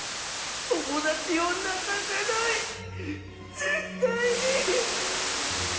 友達を泣かせない絶対に。